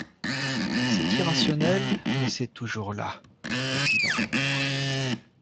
C'est irrationnel, mais c'est toujours là, tapis dans l'ombre.